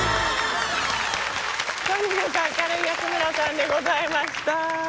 とにかく明るい安村さんでございました。